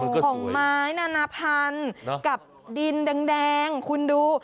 ของไม้นานาพันธุ์กับดินแดงคุณดู